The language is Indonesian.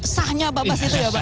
sahnya pak bas itu ya pak